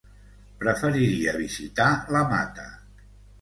Preferiria visitar la Mata.